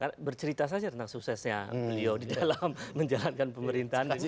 karena bercerita saja tentang suksesnya beliau di dalam menjalankan pemerintahan